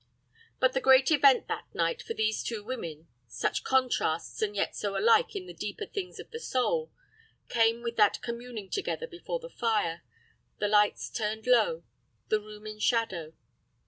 But the great event that night for these two women, such contrasts and yet so alike in the deeper things of the soul, came with that communing together before the fire, the lights turned low, the room in shadow.